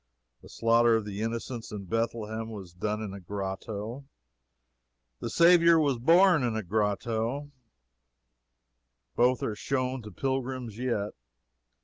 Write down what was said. The slaughter of the innocents in Bethlehem was done in a grotto; the Saviour was born in a grotto both are shown to pilgrims yet.